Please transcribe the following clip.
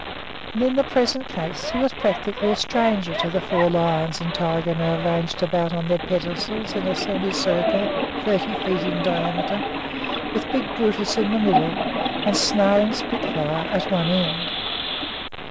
And in the present case he was practically a stranger to the four lions and the tiger now ranged around on their pedestals in a semi circle thirty feet in diameter, with big Brutus in the middle and snarling Spitfire at one end.